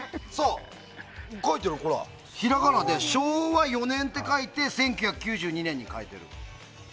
ほら、ひらがなで「しょうわ４ねん」って書いて１９９２年に書いてる。